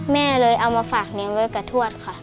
แม่เลยเอามาฝากเลี้ยงไว้กับทวดค่ะ